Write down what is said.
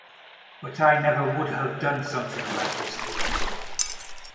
But I never would have done something like this to him.